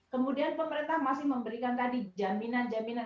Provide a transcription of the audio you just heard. kemudian pemerintah masih memberikan tadi jaminan jaminan